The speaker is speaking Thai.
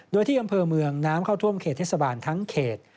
โดยที่อำเภอเมืองน้ำเข้าท่วมเขตเทศบาลทั้งเขต